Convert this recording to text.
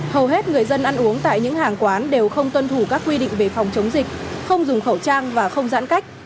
hầu hết người dân ăn uống tại những hàng quán đều không tuân thủ các quy định về phòng chống dịch không dùng khẩu trang và không giãn cách